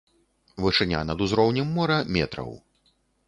Вышыня над узроўнем мора метраў.